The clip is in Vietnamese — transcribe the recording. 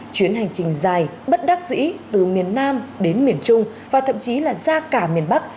chuyến hành trình dài bất đắc dĩ từ miền nam đến miền trung và thậm chí là ra cả miền bắc